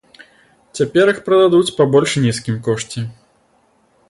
Цяпер іх прададуць па больш нізкім кошце.